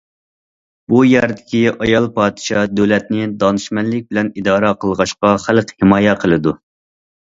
بۇ يەردىكى ئايال پادىشاھ دۆلەتنى دانىشمەنلىك بىلەن ئىدارە قىلغاچقا، خەلق ھىمايە قىلىدۇ.